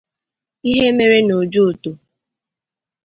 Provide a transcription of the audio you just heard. ihe mere n'Ojoto